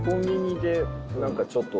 何かちょっと。